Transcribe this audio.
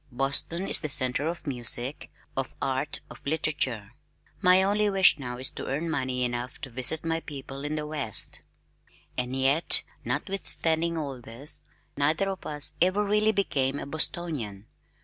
Boston is the center of music, of art, of literature. My only wish now is to earn money enough to visit my people in the West. And yet, notwithstanding all this, neither of us ever really became a Bostonian.